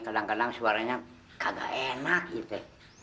kadang kadang suaranya agak enak gitu